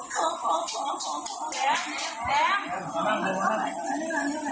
แซมแซม